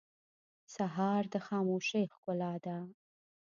سهار د خاموشۍ ښکلا ده.